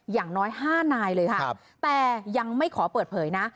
อย่างน้อย๕นายเลยค่ะแต่ยังไม่ขอเปิดเผยนะ